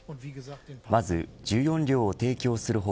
まず１４両を提供する他